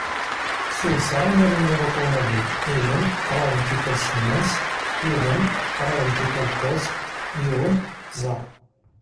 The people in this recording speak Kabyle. Suddseɣ imir imir uṭṭun-agi: ilem, kraḍ n tikal semmus, ilem, kraḍ n tikal kuẓ, yiwen, tẓa.